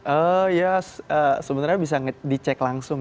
oh ya sebenarnya bisa dicek langsung